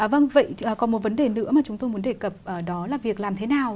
vâng vậy còn một vấn đề nữa mà chúng tôi muốn đề cập đó là việc làm thế nào